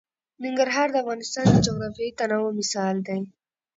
ننګرهار د افغانستان د جغرافیوي تنوع مثال دی.